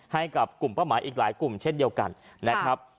ให้กับกลุ่มเป้าหมายอีกหลายกลุ่มเช่นเดียวกันนะครับ